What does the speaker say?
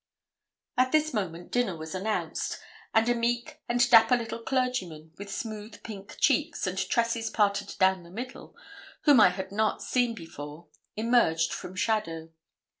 At this moment dinner was announced, and a meek and dapper little clergyman, with smooth pink cheeks, and tresses parted down the middle, whom I had not seen before, emerged from shadow.